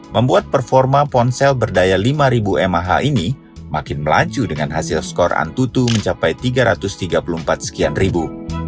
membuat performa ponsel berdaya lima ribu mah ini makin melaju dengan hasil skor antutu mencapai tiga ratus tiga puluh empat sekian ribu